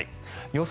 予想